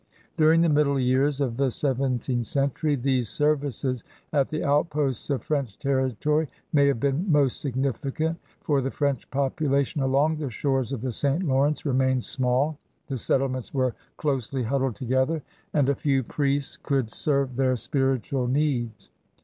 During the middle years of the seventeenth cen tury, these services at the outposts of French territory may have been most significant, for the French population along the shores of the St. Lawrence remained small, the settlements were closely huddled together, and a few priests could serve their spiritual needs.